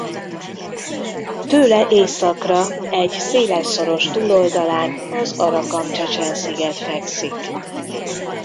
Tőle északra egy széles szoros túloldalán az Arakamcsecsen-sziget fekszik.